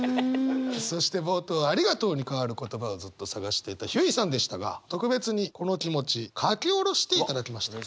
そして冒頭「ありがとう」に代わる言葉をずっと探していたひゅーいさんでしたが特別にこの気持ち書き下ろしていただきました。